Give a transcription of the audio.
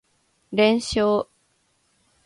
連勝